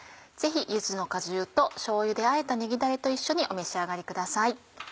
ぜひ柚子の果汁としょうゆであえたねぎだれと一緒にお召し上がりください。